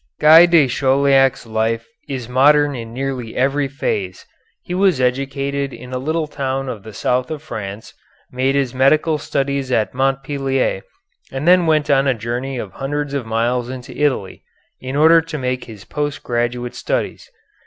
Guy de Chauliac's life is modern in nearly every phase. He was educated in a little town of the south of France, made his medical studies at Montpellier, and then went on a journey of hundreds of miles into Italy, in order to make his post graduate studies.